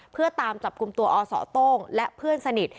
เพื่อตามจับกลุ่มตัวอศโต้งและเพื่อนสนิท